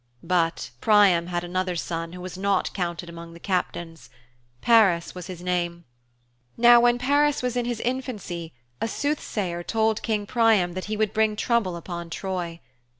But Priam had another son who was not counted amongst the Captains. Paris was his name. Now when Paris was in his infancy, a soothsayer told King Priam that he would bring trouble upon Troy.